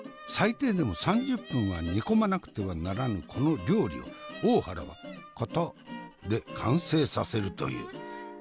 最低でも３０分は煮込まなくてはならぬこの料理を大原はコトで完成させるという。